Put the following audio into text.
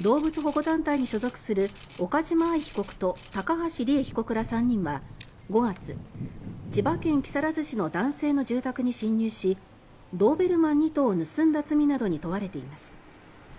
動物保護団体に所属する岡島愛被告と高橋里衣被告ら３人は５月、千葉県木更津市の男性の住宅に侵入しドーベルマン２頭を盗んだ罪などに問われています。